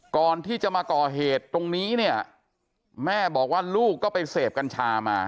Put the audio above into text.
ก่อนที่จะมาก่อเหตุตรงนี้เนี่ยแม่บอกว่าลูกก็ไปเสพกัญชามา